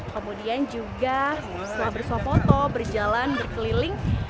kemudian juga setelah bersuap foto berjalan berkeliling